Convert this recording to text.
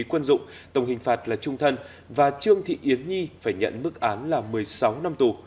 quân dụng tổng hình phạt là trung thân và trương thị yến nhi phải nhận mức án là một mươi sáu năm tù